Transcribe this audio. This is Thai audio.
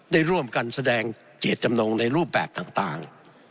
ได้ร่วมกันแสดงเจตจำนงในรูปแบบต่าง